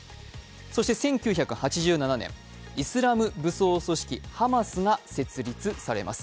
そして１９８７年、イスラム武装組織ハマスが設立されます。